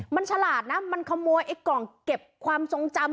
มันฉลาดนะมันขโมยไอ้กล่องเก็บความทรงจำ